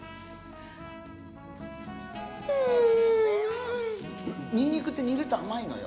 うーんニンニクって煮ると甘いのよ